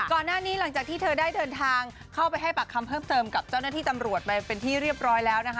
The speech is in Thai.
หลังจากที่เธอได้เดินทางเข้าไปให้ปากคำเพิ่มเติมกับเจ้าหน้าที่ตำรวจไปเป็นที่เรียบร้อยแล้วนะคะ